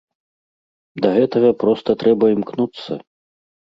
Да гэтага проста трэба імкнуцца!